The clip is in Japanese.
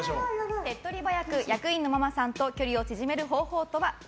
手っ取り早く役員のママさんと距離を縮める方法とは？